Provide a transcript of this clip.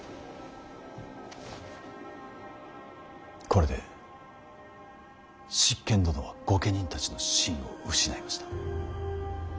これで執権殿は御家人たちの信を失いました。